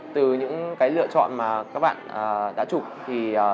từ những lựa chọn mà các bạn đã chụp